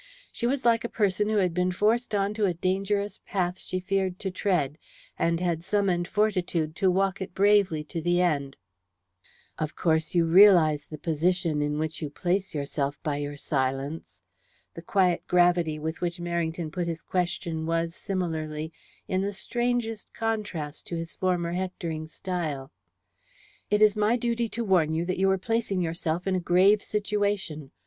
She was like a person who had been forced on to a dangerous path she feared to tread, and had summoned fortitude to walk it bravely to the end. "Of course you realize the position in which you place yourself by your silence?" The quiet gravity with which Merrington put this question was, similarly, in the strangest contrast to his former hectoring style. "It is my duty to warn you that you are placing yourself in a grave situation.